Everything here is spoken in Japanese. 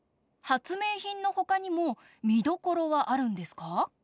はつめいひんのほかにもみどころはあるんですか？